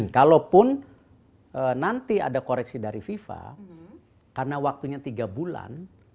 kalaupun nanti ada koreksi dari fifa karena waktunya tiga bulan